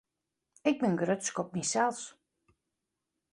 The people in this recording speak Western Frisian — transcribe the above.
Ik bin grutsk op mysels.